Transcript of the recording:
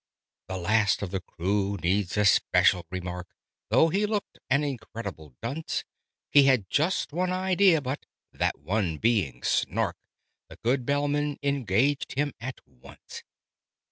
The last of the crew needs especial remark, Though he looked an incredible dunce: He had just one idea but, that one being "Snark," The good Bellman engaged him at once.